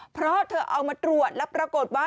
เพราะเธอเอามาตรวจแล้วปรากฏว่า